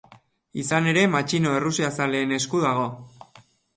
Izan ere, matxino errusiazaleen esku dago.